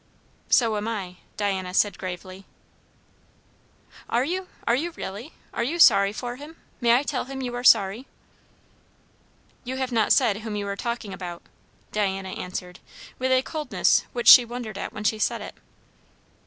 "So am I," Diana said gravely. "Are you? Are you really? Are you sorry for him? May I tell him you are sorry?" "You have not said whom you are talking about," Diana answered, with a coldness which she wondered at when she said it.